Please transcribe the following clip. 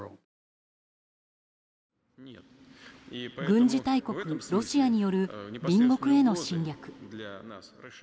軍事大国ロシアによる隣国への侵略。